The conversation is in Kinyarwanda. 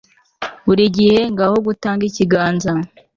buri gihe ngaho gutanga ikiganza